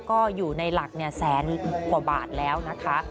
ก็อยู่ในหลักแสนกว่าบาทแล้วนะคะ